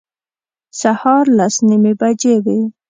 سهار لس نیمې بجې وې.